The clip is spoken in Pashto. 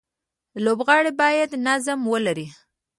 لوبغاړي باید نظم ولري.